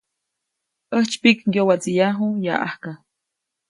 ‒ʼäjtsypiʼk ŋgyowatsiʼyaju yaʼajka-.